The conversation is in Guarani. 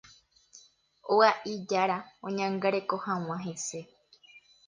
oga'i jára oñangareko hag̃ua hese.